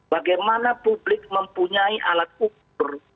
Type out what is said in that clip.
bagaimana publik mempunyai alat ukur